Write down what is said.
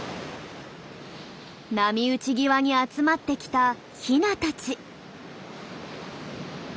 波打ち際に集まってきたヒナたち。